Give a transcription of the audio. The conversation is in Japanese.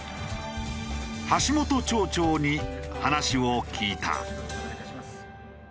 橋本町長に話を聞いた。